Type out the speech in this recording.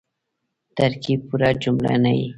ترکیب پوره جمله نه يي.